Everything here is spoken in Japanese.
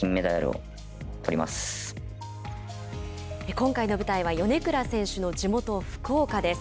今回の舞台は米倉選手の地元、福岡です。